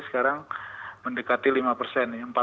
sekarang mendekati lima persen